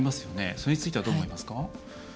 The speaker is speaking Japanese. それについてはどう思いますか？